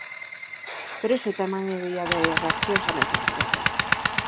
Pero hoxe tamén é día de reaccións á mensaxe do Rei.